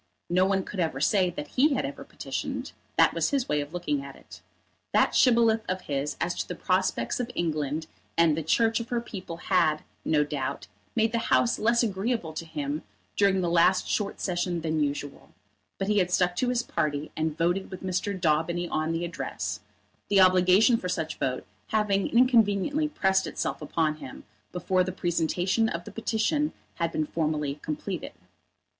No one could ever say that he had ever petitioned. That was his way of looking at it. That Shibboleth of his as to the prospects of England and the Church of her people had, no doubt, made the House less agreeable to him during the last Short session than usual; but he had stuck to his party, and voted with Mr. Daubeny on the Address, the obligation for such vote having inconveniently pressed itself upon him before the presentation of the petition had been formally completed.